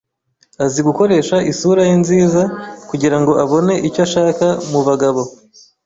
Azi gukoresha isura ye nziza kugirango abone icyo ashaka mubagabo.